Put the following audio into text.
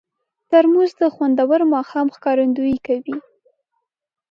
ترموز د خوندور ماښام ښکارندویي کوي.